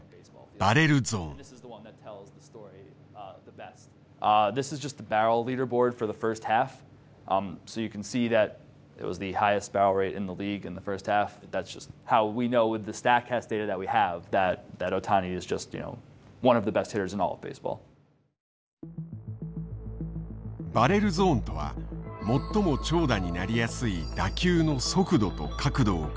バレルゾーンとは最も長打になりやすい打球の速度と角度を組み合わせた指標。